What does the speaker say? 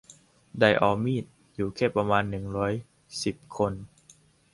ไดออมีด อยู่แค่ประมาณ หนึ่งร้อยสิบ คน